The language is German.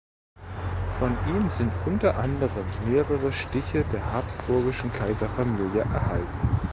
Von ihm sind unter anderem mehrere Stiche der habsburgischen Kaiserfamilie erhalten.